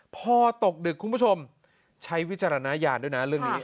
พอตกดึกคุณผู้ชมใช้วิจารณญาณด้วยนะเรื่องนี้